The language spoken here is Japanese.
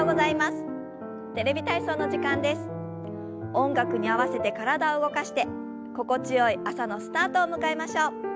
音楽に合わせて体を動かして心地よい朝のスタートを迎えましょう。